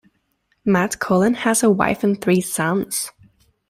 Matt Cullen has a wife and three sons.